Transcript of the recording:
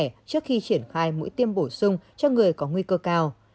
trước khi triển khai mũi tiêm bổ sung cho người có nguy cơ cao